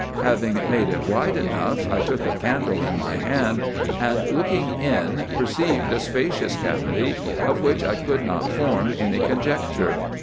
Having made it wide enough, I took a candle in my hand, and, looking in, perceived a spacious cavity, of which I could not form any conjecture.